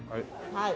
はい。